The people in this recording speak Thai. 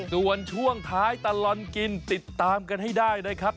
ส่วนช่วงท้ายตลอดกินติดตามกันให้ได้นะครับ